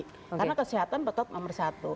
karena kesehatan betul nomor satu